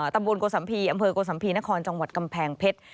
ตำบลโกสัมภีร์อำเภอโกสัมภีนครจังหวัดกำแพงเพชร